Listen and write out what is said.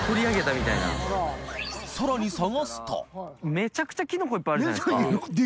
めちゃくちゃきのこいっぱいあるじゃないですか。